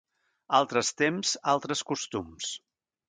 Altres temps, altres costums.